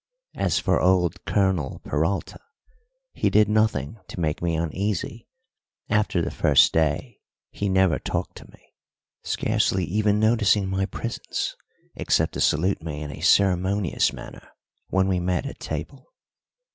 As for old Colonel Peralta, he did nothing to make me uneasy; after the first day he never talked to me, scarcely even noticing my presence except to salute me in a ceremonious manner when we met at table.